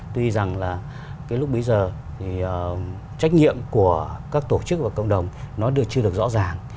tuy rằng là cái lúc bấy giờ thì trách nhiệm của các tổ chức và cộng đồng nó chưa được rõ ràng